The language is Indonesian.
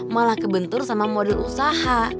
malah kebentur sama model usaha